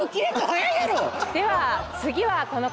では次はこの方！